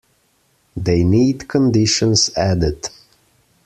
They need conditions added.